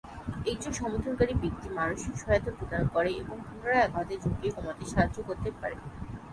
একজন সমর্থনকারী ব্যক্তি মানসিক সহায়তা প্রদান করে এবং পুনরায় আঘাতের ঝুঁকি কমাতে সাহায্য করতে পারে।